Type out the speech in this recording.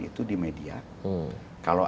itu di media kalau